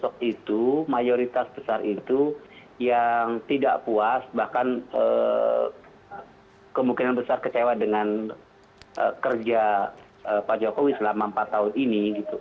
sosok itu mayoritas besar itu yang tidak puas bahkan kemungkinan besar kecewa dengan kerja pak jokowi selama empat tahun ini